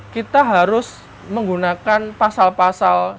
kita harus menggunakan pasal pasal